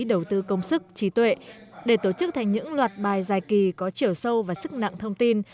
đầu tư công sức trí tuệ để tổ chức thành những loạt bài giải kỳ có chiều sâu và sức nặng thông tin